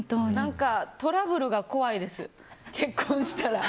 トラブルが怖いです、結婚したら。